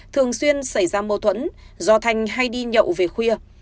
thường xuyên xảy ra mâu thuẫn do thanh hay đi nhậu về khuya